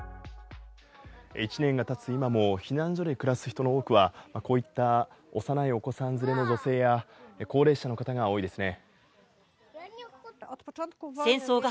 １年が経つ今も、避難所で暮らす人の多くはこういった幼いお子さん連れの女性や、高齢者の方が多いですね。